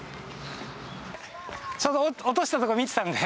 ちょうど落としたところ見ていたので。